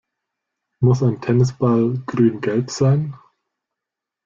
Muss ein Tennisball grüngelb sein?